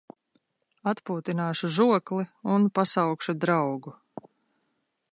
Atpūtināšu žokli un pasaukšu draugu.